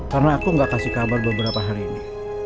karena aku gak kasih kabar beberapa hari ini